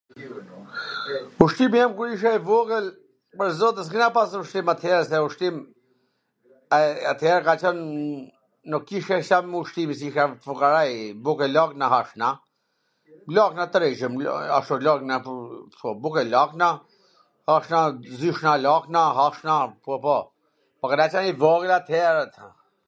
ushqimi jem kur isha i vogwl pwr zotin s'kena pas ushqime atere, se ushqim ater ka qwn, nuk kishim sa m ushqimi si fukaraj, buk e lakna hashna, lakna t regjme, ashtu lakna, buk e lakna, hashna zushna lakna, hashna, po, po, po kena qen i vogwl ater